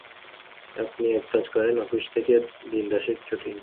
আপনি এক কাজ করুন-অফিস থেকে দিন দশেকের ছুটি নিন।